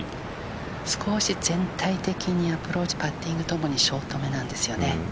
少し全体的にアプローチパッティングともにショートめなんです。